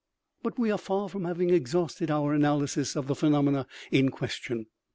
" But we are far from having exhausted our analysis of the phenomena in question.